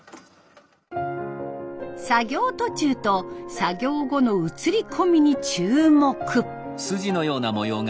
作業途中と作業後の映り込みに注目。